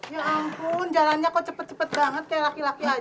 ya ampun jalannya kok cepet cepet banget kayak laki laki aja